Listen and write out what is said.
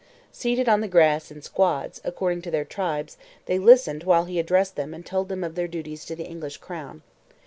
Seated on the grass in squads, according to their tribes, they listened while he addressed them and told them of their duties to the English crown.